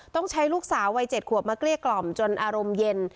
ต้องใช้ลูกสาววัย๗ขวบมาเกลี้ยกล่อมจนอารมณ์เย็น